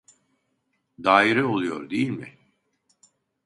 Daire oluyor değil mi